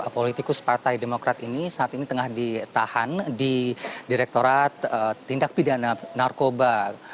politikus partai demokrat ini saat ini tengah ditahan di direktorat tindak pidana narkoba